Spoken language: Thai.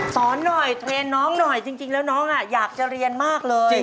สอนหน่อยเทรนด์น้องหน่อยจริงแล้วน้องอยากจะเรียนมากเลย